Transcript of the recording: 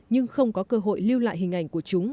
nhưng không có cơ hội lưu lại hình ảnh của chúng